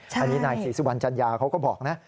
ใช่อันนี้น่านาย๔๐วันจัญญาเขาก็บอกนะ